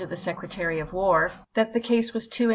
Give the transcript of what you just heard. the Secretary of War that the case was too in \fp.